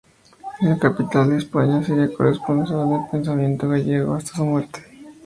En la capital de España sería corresponsal de "El Pensamiento Gallego" hasta su muerte.